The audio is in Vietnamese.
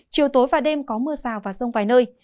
chiều tối và đêm có mưa sào và sông vài nơi